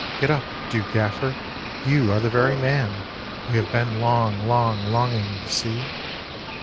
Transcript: "Get up, do, Gaffer! You are the very man We have been long long longing to see."